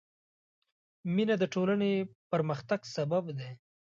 مینه د ټولنې پرمختګ سبب دی.